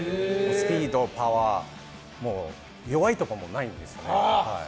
スピード、パワー弱いところもないんですよね。